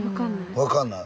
わかんない。